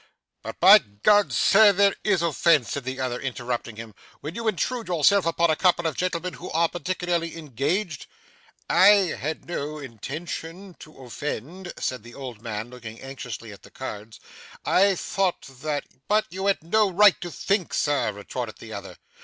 'But by G , sir, there is offence,' said the other, interrupting him, 'when you intrude yourself upon a couple of gentlemen who are particularly engaged.' 'I had no intention to offend,' said the old man, looking anxiously at the cards. 'I thought that ' 'But you had no right to think, sir,' retorted the other.